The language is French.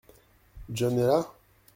John est là ?